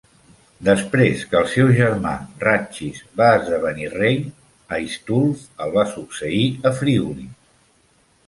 Després que el seu germà Ratchis va esdevenir rei, Aistulf el va succeir a Friuli.